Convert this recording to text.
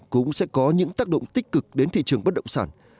cũng sẽ có những tác động tích cực đến thị trường bất động sản